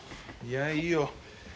いやいいよ。